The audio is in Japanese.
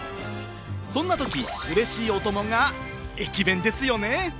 そんなとき、嬉しいお供が駅弁ですよね。